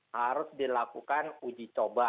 harus dilakukan uji coba